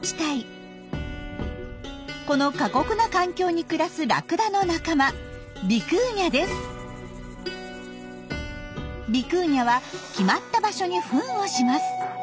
この過酷な環境に暮らすラクダの仲間ビクーニャは決まった場所にフンをします。